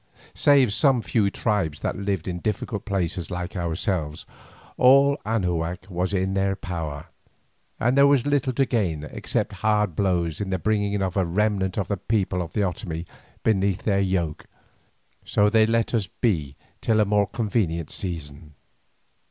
Save some few tribes that lived in difficult places like ourselves, all Anahuac was in their power, and there was little to gain except hard blows in the bringing of a remnant of the people of the Otomie beneath their yoke, so they let us be till a more convenient season.